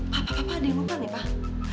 papa papa ada yang lupa nih pak